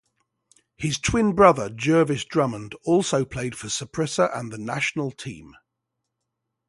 His twin brother, Jervis Drummond, also played for Saprissa and the national team.